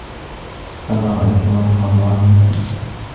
هل رأيت وجه الرامي؟